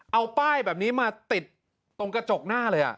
เอาป้ายแบบนี้มาติดตรงกระจกหน้าเลย